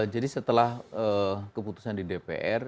jadi setelah keputusan di dpr